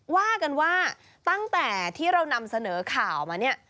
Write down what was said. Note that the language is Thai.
ว่ากันว่าตั้งแต่ที่เรานำเสนอข่าวมาเนี่ย